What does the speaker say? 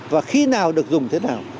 và khi nào được dùng thế nào